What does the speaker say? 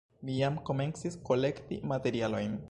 Mi jam komencis kolekti materialojn.